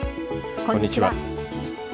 こんにちは。